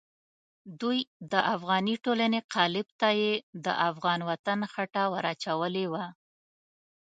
دوی د افغاني ټولنې قالب ته یې د افغان وطن خټه ور اچولې وه.